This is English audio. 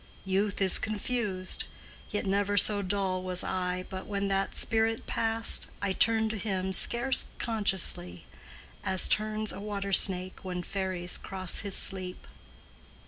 Youth is confused; yet never So dull was I but, when that spirit passed, I turned to him, scarce consciously, as turns A water snake when fairies cross his sleep."